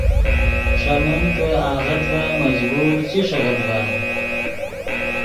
ݰے من کہ آغت ڤے مجبور چی ݰیغیت ڤے